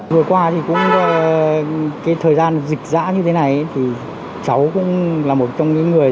vừa qua thì cũng cái thời gian dịch giã như thế này thì cháu cũng là một trong những người